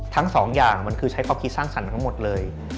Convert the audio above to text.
ทั้งสองอย่างมันคือใช้ความคิดสร้างสรรค์ทั้งหมดเลย